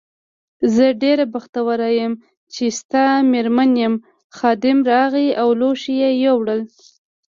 زه ډېره بختوره یم چې ستا مېرمن یم، خادم راغی او لوښي یې یووړل.